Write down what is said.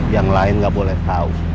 yang lain gak boleh tau